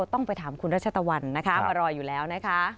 ต้องไปถามคุณรัชตะวันนะคะมารออยู่แล้วนะคะ